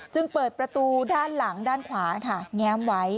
เปิดประตูด้านหลังด้านขวาค่ะแง้มไว้